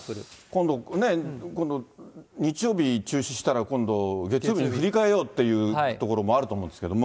今度ね、今度、日曜日中止したら、今度月曜日に振り替えようという所もあると思うんですけれども。